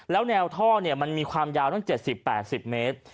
แล้วแนวท่อมันมีความยาวตั้ง๗๐๘๐เมตร